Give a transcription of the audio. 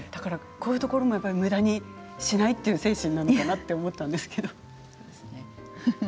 こういうところもむだにしないという精神なのかなと思ったんですけど。